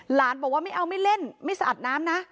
หลานบอกว่าไม่เอาไม่เล่นไม่สะอาดน้ำนะ